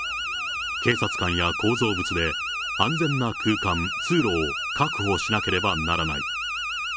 警察官や構造物で安全な空間・通路を確保しなければならない。